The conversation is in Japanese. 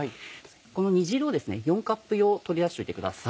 この煮汁を４カップ用取り出しといてください。